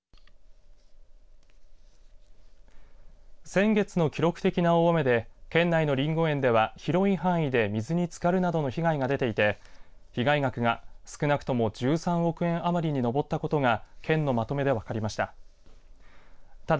先月の記録的な大雨で県内のりんご園では広い範囲で水につかるなどの被害が出ていて被害額が少なくとも１３億円余りに上ったことが県のまとめで分かりました。